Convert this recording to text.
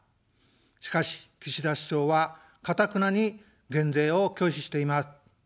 しかし、岸田首相はかたくなに減税を拒否しています。